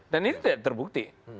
dan itu tidak terbukti